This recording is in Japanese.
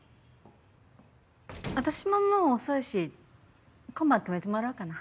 私ももう遅いし今晩泊めてもらおうかな。